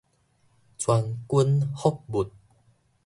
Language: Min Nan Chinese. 全軍覆沒